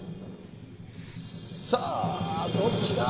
さあ、どっちだ。